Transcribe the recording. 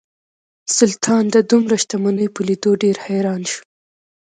سلطان د دومره شتمنۍ په لیدو ډیر حیران شو.